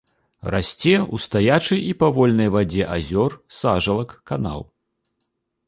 Расце ў стаячай і павольнай вадзе азёр, сажалак, канаў.